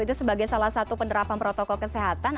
itu sebagai salah satu penerapan protokol kesehatan